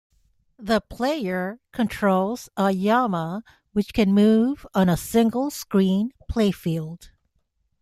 The player controls a llama which can move on a single-screen playfield.